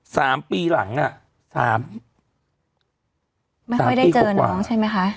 สามปีหลังอ่ะสามไม่ค่อยได้เจอน้องใช่ไหมคะ